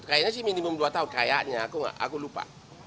kayaknya sih minimum dua tahun kayaknya aku lupa